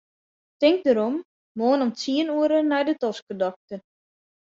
Tink derom, moarn om tsien oere nei de toskedokter.